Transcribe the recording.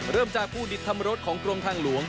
เริ่มจากผู้ดิตทำรถของกรมทางหลวง